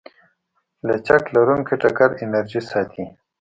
لچک لرونکی ټکر انرژي ساتي.